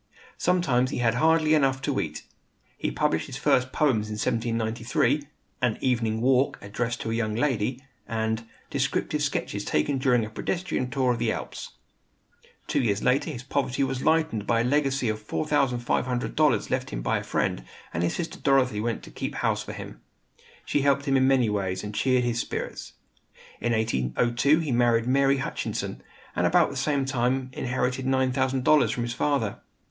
Sometimes he had hardly enough to eat. He published his first poems in 1793, "An Evening Walk, Addressed to a Young Lady," and "Descriptive Sketches Taken During a Pedestrian Tour Among the Alps." Two years later his poverty was lightened by a legacy of $4,500 left him by a friend, and his sister Dorothy went to keep house for him. She helped him in many ways, and cheered his spirits. In 1802 he married Mary Hutchinson, and about the same time inherited $9,000 from his father.